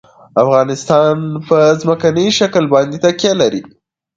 افغانستان په ځمکنی شکل باندې تکیه لري.